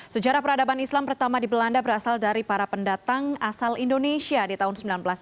sejarah peradaban islam pertama di belanda berasal dari para pendatang asal indonesia di tahun seribu sembilan ratus delapan puluh